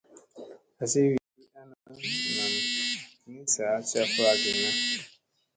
Azi wi ki ana nam ni sa caffa ginna.